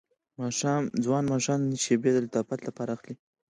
ځوان ماښام شیبې د لطافت اخلي